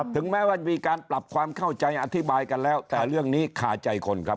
ถึงแม้ว่ามีการปรับความเข้าใจอธิบายกันแล้วแต่เรื่องนี้คาใจคนครับ